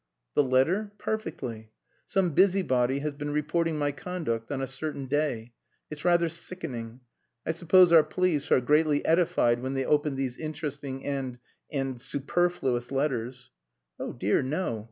"The letter? Perfectly. Some busybody has been reporting my conduct on a certain day. It's rather sickening. I suppose our police are greatly edified when they open these interesting and and superfluous letters." "Oh dear no!